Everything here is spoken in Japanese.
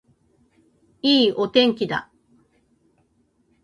いいお天気だ